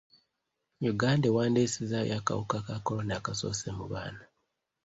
Uganda ewandiisizzayo akawuka ka kolona akasoose mu baana.